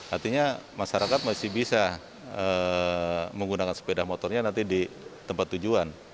artinya masyarakat masih bisa menggunakan sepeda motornya nanti di tempat tujuan